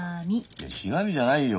いやひがみじゃないよ